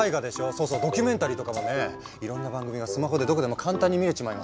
そうそうドキュメンタリーとかもねいろんな番組がスマホでどこでも簡単に見れちまいますよ。